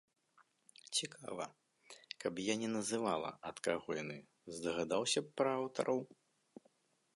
Цікава, каб я не называла, ад каго яны, здагадаўся б пра аўтараў?